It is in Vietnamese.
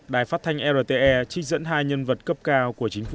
đài phát thanh rte trích dẫn hai nhân vật cấp cao của chính phủ